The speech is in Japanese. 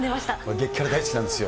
激辛大好きなんですよ。